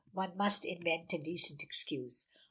One must invent a decent excuse."